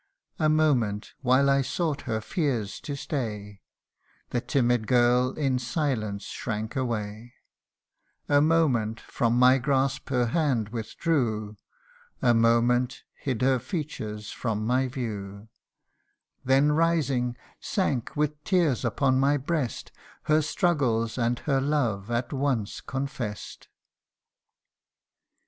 A moment, while I sought her fears to stay, The timid girl in silence shrank away A moment, from my grasp her hand withdrew A moment, hid her features from my view Then rising, sank with tears upon my breast, Her struggles and her love at once confess 'd. 108 THE UNDYING ONE.